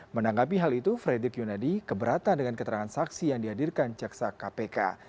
menanggapi hal itu frederick yunadi keberatan dengan keterangan saksi yang dihadirkan jaksa kpk